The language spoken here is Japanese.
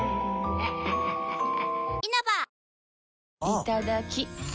いただきっ！